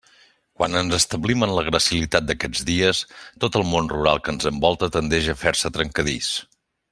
Quan ens establim en la gracilitat d'aquests dies, tot el món rural que ens envolta tendeix a fer-se trencadís.